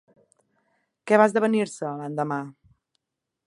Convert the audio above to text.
Què va esdevenir-se, l'endemà?